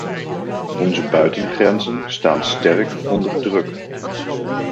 Onze buitengrenzen staan sterk onder druk.